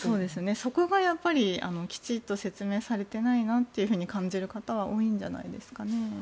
そこがやっぱりきちんと説明されていないなと感じる方は多いんじゃないですかね。